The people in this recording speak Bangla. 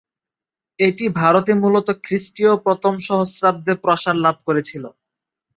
এটি ভারতে মূলত খ্রিস্টীয় প্রথম সহস্রাব্দে প্রসার লাভ করেছিল।